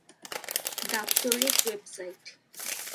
দাপ্তরিক ওয়েবসাইট